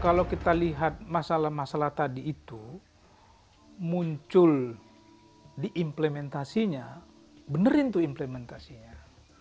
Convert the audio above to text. kalau kita lihat masalah masalah tadi itu muncul di implementasinya benerin tuh implementasinya